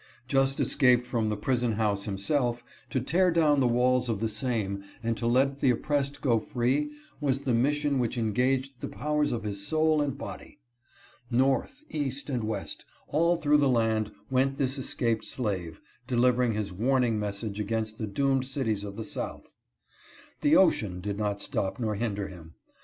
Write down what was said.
Just escaped from the prison house himself, to tear down the walls of the same and to let the oppressed go free was the mission which engaged the powers of his soul and body. North, East, and West, all through the land went this escaped slave, delivering his warning message against the doomed cities of the South. The ocean did not stop nor hinder him.